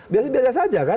biasanya biasa saja kan